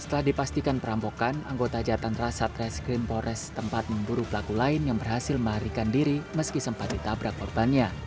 setelah dipastikan perampokan anggota jatan rasa treskrim polres tempat memburu pelaku lain yang berhasil melarikan diri meski sempat ditabrak korbannya